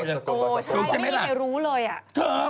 โอ้ใช้ไม่ได้รู้เลยอะใช้ไม่ได้รู้ใช่ไหมล่ะ